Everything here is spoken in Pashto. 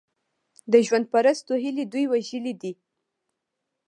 د ژوند پرستو هیلې دوی وژلي دي.